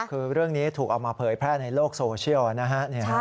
คือเรื่องนี้ถูกเอามาเผยแพร่ในโลกโซเชียลนะฮะ